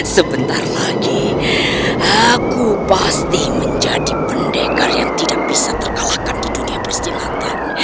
sebentar lagi aku pasti menjadi pendekar yang tidak bisa terkalahkan di dunia persin latihan